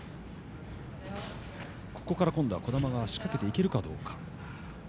ここから児玉が仕掛けていけるかどうか。